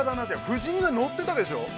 夫人が乗ってたでしょう。